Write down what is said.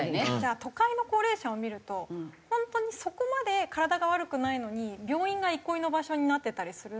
都会の高齢者を見ると本当にそこまで体が悪くないのに病院が憩いの場所になってたりするんですよね。